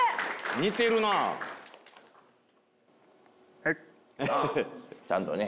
似てるなちゃんとね